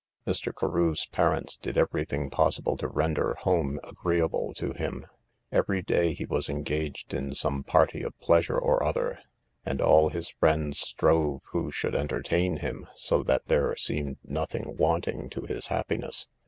Mr. Carew's parents did every thing possible to render home agreeable to him; every day he was engaged in some party of pleasure or other, and all his friends strove who should entertain him, so that there seemed nothing wanting to his happiness.